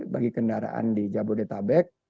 bagi kendaraan di jabodetabek